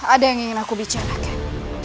ada yang ingin aku bicarakan